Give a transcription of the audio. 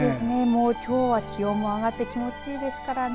きょうも気温が上がって気持ちいいですからね。